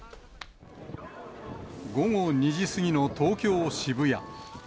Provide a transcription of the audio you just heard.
午後２時過ぎの東京・渋谷。